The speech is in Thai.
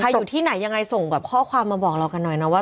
อยู่ที่ไหนยังไงส่งแบบข้อความมาบอกเรากันหน่อยนะว่า